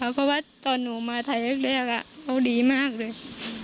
เพราะว่าตอนหนูมาไทยแรกเขาดีมากเลย